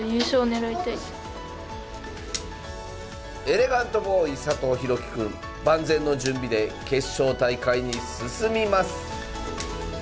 エレガントボーイ佐藤洋輝くん万全の準備で決勝大会に進みます。